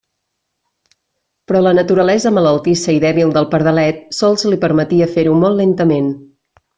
Però la naturalesa malaltissa i dèbil del pardalet sols li permetia fer-ho molt lentament.